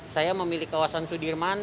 saya memilih kawasan sudirman